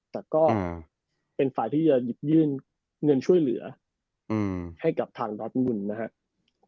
แต่ก็เป็นฝ่ายที่จะหยิบยื่นเงินช่วยเหลือให้กับทางดอสมุนนะครับ